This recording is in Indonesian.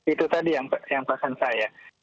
itu tadi yang pesan saya